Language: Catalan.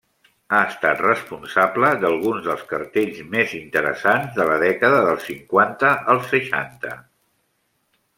Ha estat responsable d'alguns dels cartells més interessants de la dècada dels cinquanta al seixanta.